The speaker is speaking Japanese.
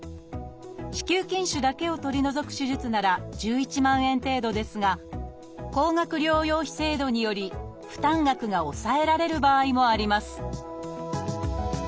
子宮筋腫だけを取り除く手術なら１１万円程度ですが高額療養費制度により負担額が抑えられる場合もあります